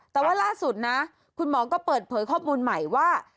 แต่ว่าล่าสุดนะคุณหมอก็เปิดเผยข้อมูลใหม่ว่า